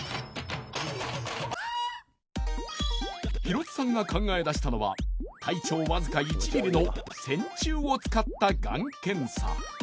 広津さんが考え出したのは体長僅か１ｍｍの線虫を使ったがん検査。